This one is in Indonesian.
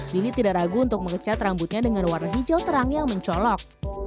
dini tidak ragu untuk mengecat rambutnya dengan warna hijau terang yang mencolok